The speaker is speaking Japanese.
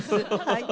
はい。